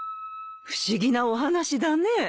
不思議なお話だね。